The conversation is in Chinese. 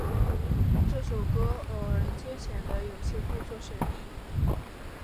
这首歌偶然间显得有些故作神秘。